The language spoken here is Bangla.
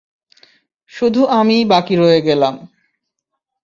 শুধু আমি বাকী রয়ে গেলাম।